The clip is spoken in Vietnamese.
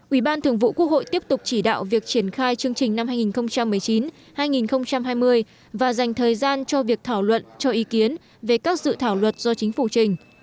ủy ban thường vụ quốc hội tiếp tục chỉ đạo việc triển khai chương trình năm hai nghìn một mươi chín hai nghìn hai mươi và dành thời gian cho việc thảo luận cho ý kiến về các dự thảo luật do chính phủ trình